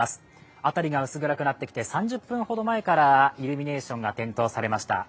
辺りが薄暗くなってきて、３０分ほど前からイルミネーションが点灯されました。